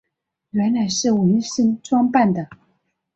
原来是文森装扮的。